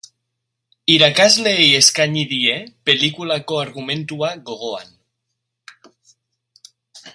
Irakasleei eskaini die, pelikulako argumentua gogoan.